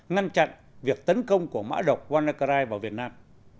ngăn chặn việc tấn công của mã độc wanakarai vào việt nam